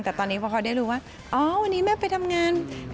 แต่ตอนนี้พอเขาได้รู้ว่าอ๋อวันนี้แม่ไปทำงาน